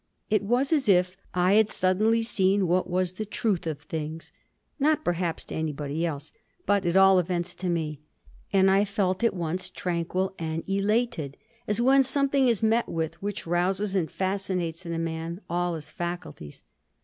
It was as if I had suddenly seen what was the truth of things; not perhaps to anybody else, but at all events to me. And I felt at once tranquil and elated, as when something is met with which rouses and fascinates in a man all his faculties.